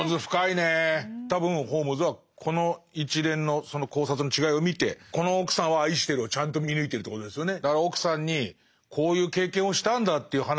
多分ホームズはこの一連のその考察の違いを見てこの奥さんは愛してるをちゃんと見抜いてるということですよね。